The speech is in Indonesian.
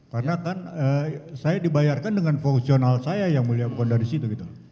karena kan saya dibayarkan dengan fungsional saya yang mulia bukan dari situ gitu